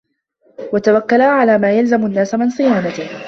وَتَوَكُّلًا عَلَى مَا يَلْزَمُ النَّاسَ مِنْ صِيَانَتِهِ